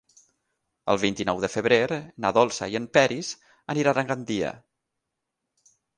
El vint-i-nou de febrer na Dolça i en Peris aniran a Gandia.